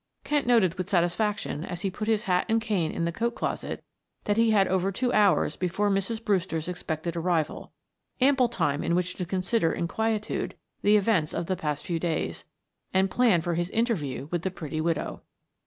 Kent noted with satisfaction as he put his hat and cane in the coat closet that he had over two hours before Mrs. Brewster's expected arrival; ample time in which to consider in quietude the events of the past few days, and plan for his interview with the pretty widow.